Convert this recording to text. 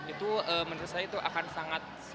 itu menurut saya akan sangat sulit